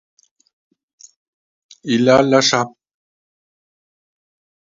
Il la lâcha.